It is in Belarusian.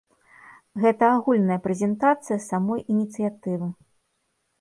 Гэта агульная прэзентацыя самой ініцыятывы.